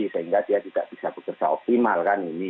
sehingga dia tidak bisa bekerja optimal kan ini